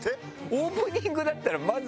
オープニングだったらまず。